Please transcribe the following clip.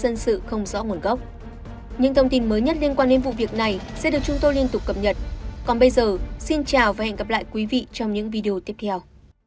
những thông tin mới nhất liên quan đến vụ việc này sẽ được chúng tôi liên tục cập nhật còn bây giờ xin chào và hẹn gặp lại quý vị trong những video tiếp theo